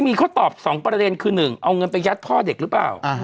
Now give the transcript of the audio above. มีข้อตอบ๒ประเด็นคือ๑เอาเงินไปยัดพ่อเด็กหรือเปล่า